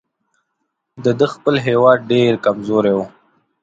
د ده خپل هیواد ډېر کمزوری وو.